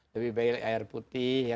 lebih baik air putih